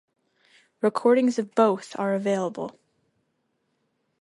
Recordings of both are available.